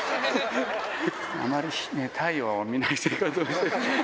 あまり太陽を見ない生活をしてて。